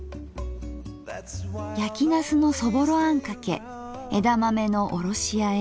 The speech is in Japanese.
やきなすのそぼろあんかけ枝豆のおろしあえ